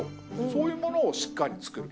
そういうものをしっかり造る。